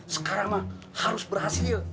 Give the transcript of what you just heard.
sekarang mah harus berhasil